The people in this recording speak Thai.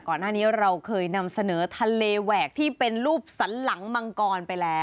ก่อนหน้านี้เราเคยนำเสนอทะเลแหวกที่เป็นรูปสันหลังมังกรไปแล้ว